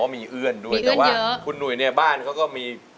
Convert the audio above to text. มีเอื้อนด้วยแต่ว่าคุณหนุ่ยในบ้านเขาก็มี